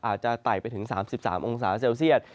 อาจจะไต่ไปถึง๓๓องศาเซลเซียส